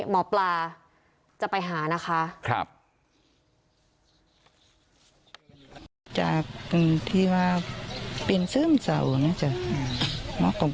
หมอปลาจะไปหานะคะ